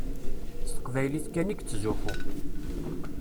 S teqbaylit kan i yettzuxxu.